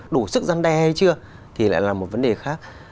đủ sức gian đe hay chưa thì lại là một vấn đề khác